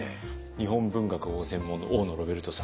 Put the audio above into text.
日本文学をご専門の大野ロベルトさん。